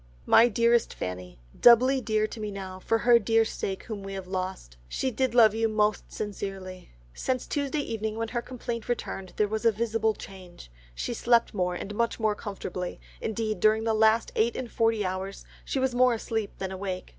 "My dearest Fanny,—Doubly dear to me now for her dear sake whom we have lost. She did love you most sincerely.... Since Tuesday evening when her complaint returned, there was a visible change, she slept more, and much more comfortably; indeed during the last eight and forty hours she was more asleep than awake.